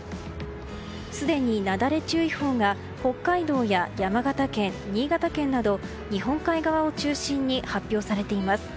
すでになだれ注意報が北海道や山形県、新潟県など日本海側を中心に発表されています。